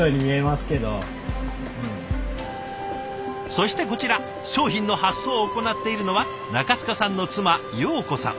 そしてこちら商品の発送を行っているのは中塚さんの妻瑶子さん。